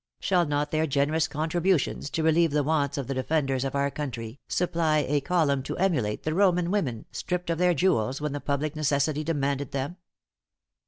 Shall not their generous contributions to relieve the wants of the defenders of our country, supply a column to emulate the Roman women, stripped of their jewels when the public necessity demanded them?"